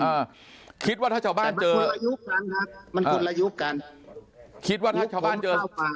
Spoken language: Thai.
อ่าคิดว่าถ้าชาวบ้านเจออายุมันคนละยุคกันคิดว่าถ้าชาวบ้านเจอ